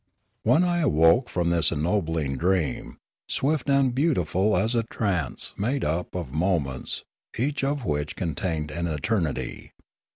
Then I awoke from this ennobling dream, swift and beautiful as a trance made up of moments, each of which contained an eternity.